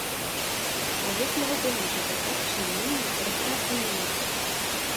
Člověk mohl během života příjmení několikrát změnit.